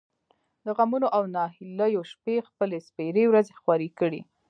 د غمـونـو او نهـيليو شـپې خپـلې سپـېرې وزرې خـورې کـړې.